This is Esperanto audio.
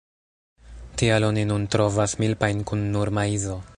Tial oni nun trovas "milpa"-jn kun nur maizo.